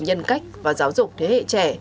giúp đỡ các đại hệ trẻ